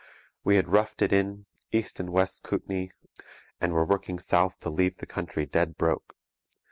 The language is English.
We had roughed it in East and West Kootenay and were working south to leave the country dead broke.